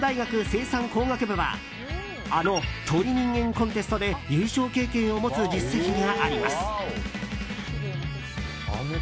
生産工学部はあの鳥人間コンテストで優勝経験を持つ実績があります。